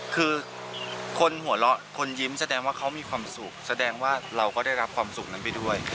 คือคนหัวเราะคนยิ้มแสดงว่าเขามีความสุขแสดงว่าเราก็ได้รับความสุขนั้นไปด้วย